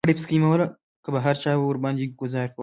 که به هر چا ورباندې ګوزار وکړ.